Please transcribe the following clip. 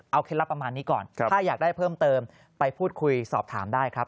เอาเคล็ดลับประมาณนี้ก่อนถ้าอยากได้เพิ่มเติมไปพูดคุยสอบถามได้ครับ